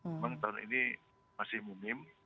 memang tahun ini masih minim